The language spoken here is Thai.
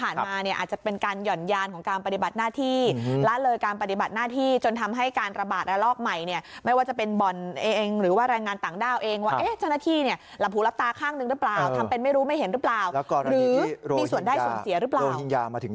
แล้วก็เริ่มที่โรหิงยามาถึงดอนเมือง